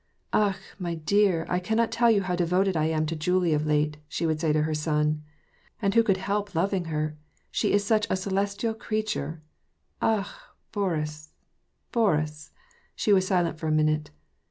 " Akh ! my dear, I cannot tell you how devoted I am to Julie of late," she would say to her son. " And who could help loving her ? She is such a celestial creature ! Akh ! Boris ! Boris !'^ She was silent for a minute.